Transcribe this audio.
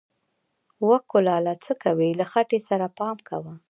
و کلاله څه کوې، له خټې سره پام کوه!